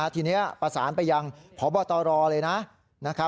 ทีนี้ประสานไปยังพบตรเลยนะ